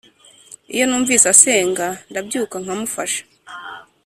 iyo numvise asenga ndabyuka nkamufasha.